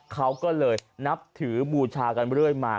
เขาก็เลยนับถือบูชากันเรื่อยมา